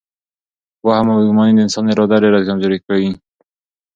وهم او بدګماني د انسان اراده ډېره کمزورې کوي.